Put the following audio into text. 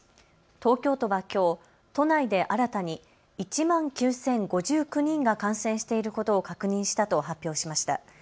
東京都はきょう都内で新たに１万９０５９人が感染していることを確認したと発表しました。